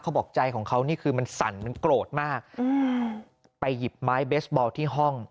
บอกใจของเขานี่คือมันสั่นมันโกรธมากอืมไปหยิบไม้เบสบอลที่ห้อง